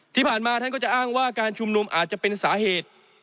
ที่ผ่านมาท่านก็จะอ้างว่าการชุมนุมอาจจะเป็นสาเหตุ